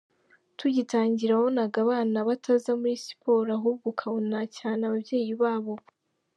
Tugitangira wabonaga abana bataza muri siporo ahubwo ukabona cyane ababyeyi babo.